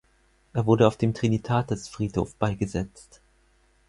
Er wurde auf dem Trinitatisfriedhof beigesetzt.